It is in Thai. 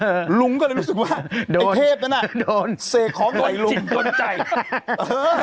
เออลุงก็เลยรู้สึกว่าโดนไอ้เทพนั้นน่ะโดนเสกของใส่ลุงกดจิตกดใจ